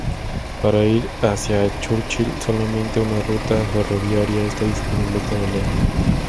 Para ir hacia Churchill solamente una ruta ferroviaria está disponible todo el año.